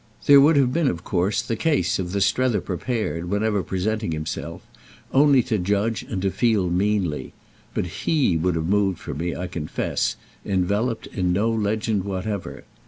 There would have been of course the case of the Strether prepared, wherever presenting himself, only to judge and to feel meanly; but he would have moved for me, I confess, enveloped in no legend whatever.